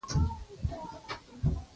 د خوراک وخت کې موبایل پرېږده، خوند حس کړه.